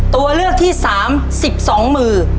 ตัวเลือกที่สามสิบสองมือ